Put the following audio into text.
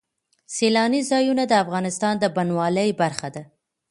سیلانی ځایونه د افغانستان د بڼوالۍ برخه ده.